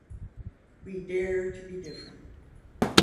We Dare to Be Different.